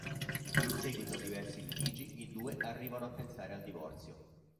In seguito a diversi litigi i due arrivano a pensare al divorzio.